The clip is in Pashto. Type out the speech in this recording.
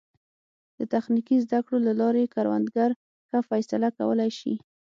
د تخنیکي زده کړو له لارې کروندګر ښه فیصله کولی شي.